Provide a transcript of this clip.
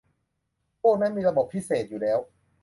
พวกนั้นมีระบบพิเศษอยู่แล้ว